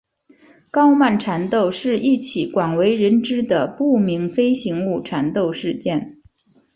高曼缠斗是一起广为人知的不明飞行物缠斗事件。